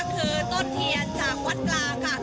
คือต้นเทียนจากวัดกลางค่ะ